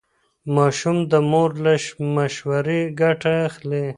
ماشوم د مور له مشورې ګټه اخلي.